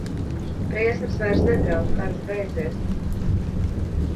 Briesmas vairs nedraud, karš beidzies.